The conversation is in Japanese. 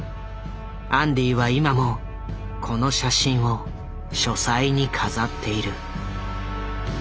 アンディは今もこの写真を書斎に飾っている。